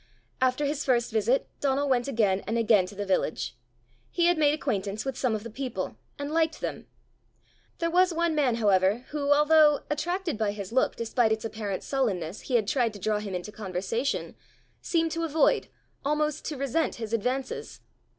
After his first visit Donal went again and again to the village: he had made acquaintance with some of the people, and liked them. There was one man, however, who, although, attracted by his look despite its apparent sullenness, he had tried to draw him into conversation, seemed to avoid, almost to resent his advances.